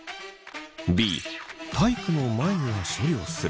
Ｂ体育の前には処理をする。